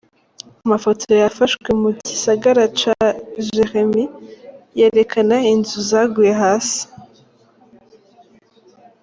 Amafoto yafashwe mu gisagara ca Jeremie yerekana inzu zaguye hasi.